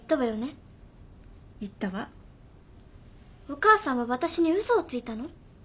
お母さんは私に嘘をついたの？